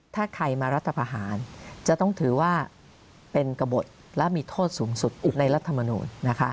ถ้าใครมารัฐพาหารจะต้องถือว่าเป็นกระบดและมีโทษสูงสุดในรัฐมนูล